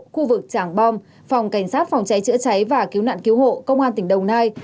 khu vực tràng bom phòng cảnh sát phòng cháy chữa cháy và cứu nạn cứu hộ công an tỉnh đồng nai